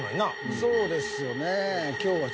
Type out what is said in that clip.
そうですね。